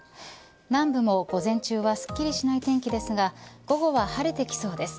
南部も午前中はすっきりしない天気ですが午後は晴れてきそうです。